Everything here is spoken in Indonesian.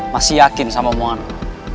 masih yakin sama mohan lo